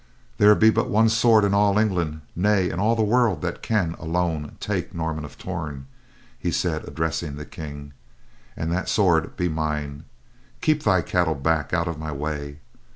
"There be but one sword in all England, nay in all the world that can, alone, take Norman of Torn," he said, addressing the King, "and that sword be mine. Keep thy cattle back, out of my way."